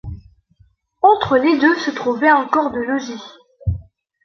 Entre les deux se trouvait un corps de logis.